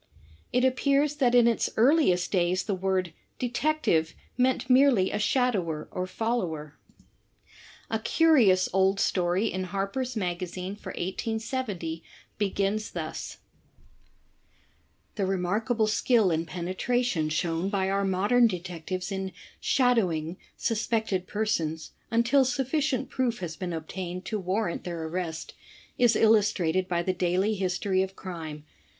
It appears that in its earliest days the word "detective" meant merely a shadower or follower. 44 THE TECHNIQUE OF THE ICYSTERY STORY A curious old story in Harper^ s Magazine for 1870 begins thus: The remarkable skill and penetration shown by our modem detectives in ' 'shadowing' ' suspected persons until sufficient proof has been obtained to warrant their arrest is illustrated by the daily history of crime.